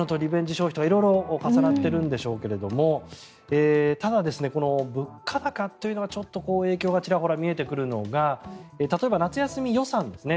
消費というのと色々重なっているんでしょうけれどもただ、この物価高というのがちょっと影響がちらほら見えてくるのが例えば、夏休み予算ですね。